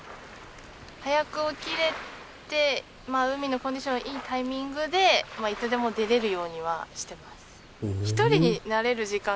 早く起きれて海のコンディションがいいタイミングでいつでも出れるようにはしてます。